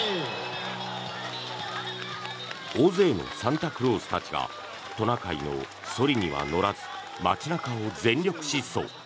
大勢のサンタクロースたちがトナカイのそりには乗らず街中を全力疾走。